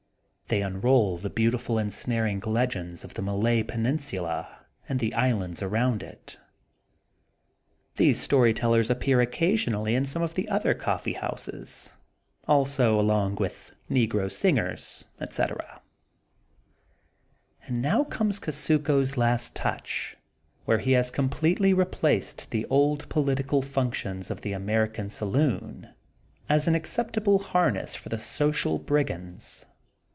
They unroll the beau tiful ensnaring legends of the Malay penin sula and the islands around it. These story tellers appear occasionally in some of the other coffee houses, also, along with negro singers, etc. And now comes Eusuko 's last touch, where THE GOLDEN BOOK OF SPRINGFIELD 118 he has completely replaced the old political functions of the American saloon, as an ac ceptable harness for the social brigands.